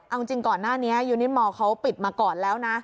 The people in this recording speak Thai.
เอาจริงก่อนหน้านี้ยูนิมอร์เขาปิดมาก่อนแล้วนะ